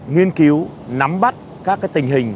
nghiên cứu nắm bắt các cái tình hình